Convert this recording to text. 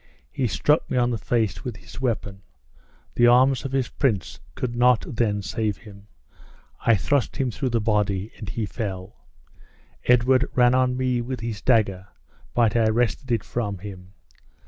He struck me on the face with his weapon. The arms of his prince could not then save him; I thrust him through the body, and he fell. Edward ran on me with his dagger, but I wrested it from him.